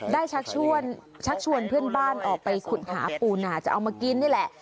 ชักชวนชักชวนเพื่อนบ้านออกไปขุดหาปูนาจะเอามากินนี่แหละ